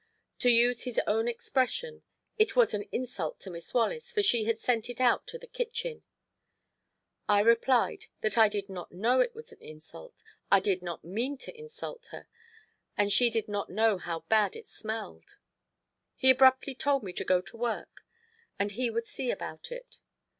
To use his own expression: "It was an insult to Miss Wallace, for she had sent it out to the kitchen." I replied that I did not know it was an insult, I did not mean to insult her, and she did not know how bad it smelled. He abruptly told me to go to work and he would see about it.